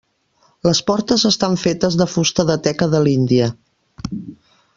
Les portes estan fetes de fusta de teca de l'Índia.